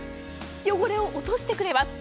汚れを落としてくれます。